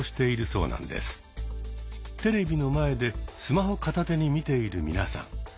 テレビの前でスマホ片手に見ている皆さん。